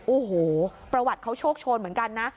โอ้โหประวัติเขาโชคโชนเหมือนกันนะ